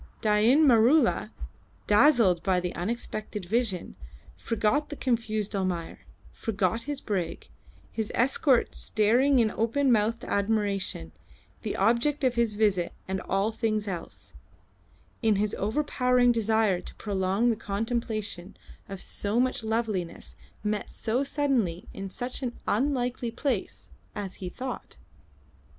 Dain Maroola, dazzled by the unexpected vision, forgot the confused Almayer, forgot his brig, his escort staring in open mouthed admiration, the object of his visit and all things else, in his overpowering desire to prolong the contemplation of so much loveliness met so suddenly in such an unlikely place as he thought.